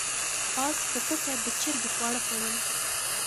اس په پټه د چرګې خواړه خوړل.